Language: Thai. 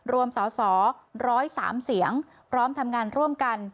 รวมสอสอ๑๐๓เสียงพร้อมทำงานร่วมกัน